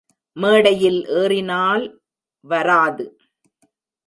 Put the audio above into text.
மேடையில் ஏறினால் வராது.